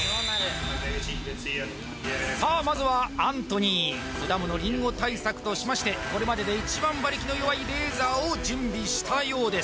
さあまずはアントニー果物りんご対策としましてこれまでで一番馬力の弱いレーザーを準備したようです